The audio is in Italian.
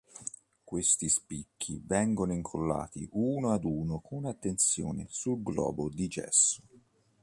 Questi "Spicchi" vengono incollati uno ad uno con attenzione sul globo di gesso.